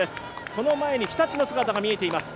その前に日立の姿が見えています。